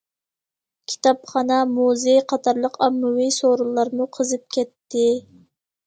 كىتابخانا، مۇزېي قاتارلىق ئاممىۋى سورۇنلارمۇ قىزىپ كەتتى.